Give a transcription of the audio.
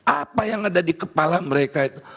apa yang ada di kepala mereka itu